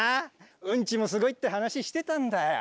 ウンチもすごいって話してたんだよ。